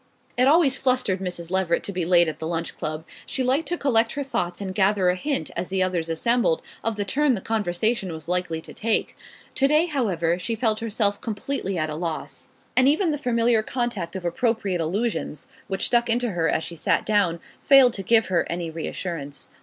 It always flustered Mrs. Leveret to be late at the Lunch Club: she liked to collect her thoughts and gather a hint, as the others assembled, of the turn the conversation was likely to take. To day, however, she felt herself completely at a loss; and even the familiar contact of Appropriate Allusions, which stuck into her as she sat down, failed to give her any reassurance.